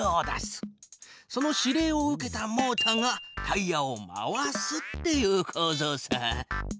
その指令を受けたモータがタイヤを回すっていうこうぞうさ。